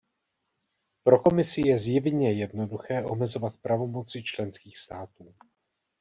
Pro Komisi je zjevně jednoduché omezovat pravomoci členských států.